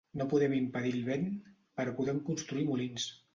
No podem impedir el vent, però podem construir molins.